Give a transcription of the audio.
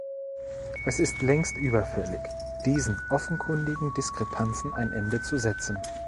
Es ist längst überfällig, diesen offenkundigen Diskrepanzen ein Ende zu setzen.